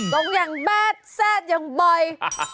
ลงอย่างแบดแซ่บอย่างบ่อย